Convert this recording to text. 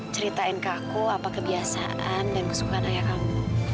ceritain ke aku apa kebiasaan dan kesukaan ayah kamu